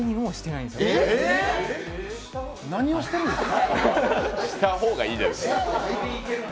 何をしてるんですか。